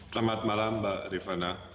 selamat malam mbak rifana